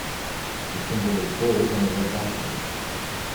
The symbol is gold on a red background.